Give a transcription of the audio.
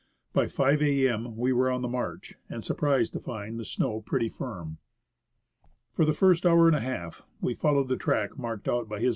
By 5 a.m. we were on the march, and surprised to find the show pretty firm. For the first hour and a half we followed the track marked out by H.R.